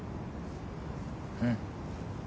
うん。